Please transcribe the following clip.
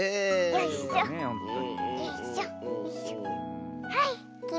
よいしょと。